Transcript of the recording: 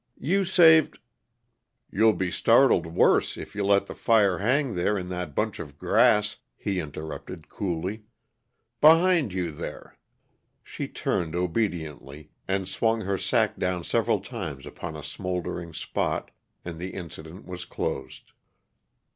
"You saved " "You'll be startled worse, if you let the fire hang there in that bunch of grass," he interrupted coolly. "Behind you, there." She turned obediently, and swung her sack down several times upon a smoldering spot, and the incident was closed.